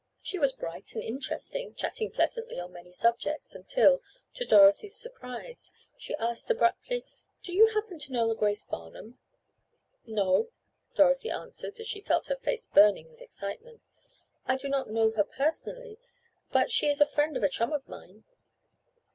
She was bright and interesting, chatting pleasantly on many subjects, until, to Dorothy's surprise, she asked abruptly: "Do you happen to know a Grace Barnum?" "No," Dorothy answered, as she felt her face burning with excitement. "I do not know her personally, but she is a friend of a chum of mine."